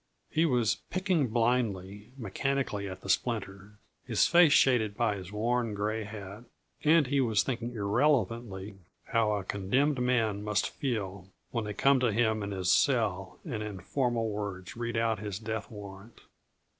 He was picking blindly, mechanically at the splinter, his face shaded by his worn, gray hat; and he was thinking irrelevantly how a condemned man must feel when they come to him in his cell and in formal words read aloud his death warrant.